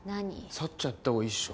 さっちゃんやったほうがいいっしょ。